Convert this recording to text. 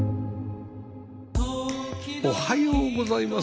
おはようございます。